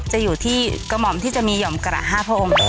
จะอยู่ที่กระหม่อมที่จะมีห่อมกระ๕พระองค์